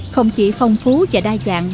không chỉ phong phú và đa dạng